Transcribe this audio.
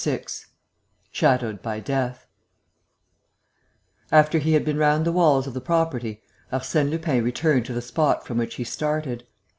VI SHADOWED BY DEATH After he had been round the walls of the property, Arsène Lupin returned to the spot from which he started.